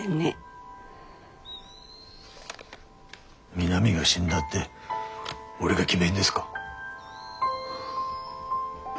美波が死んだって俺が決めんですか。